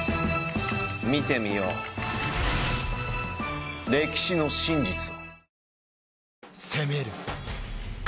見てみよう歴史の真実を。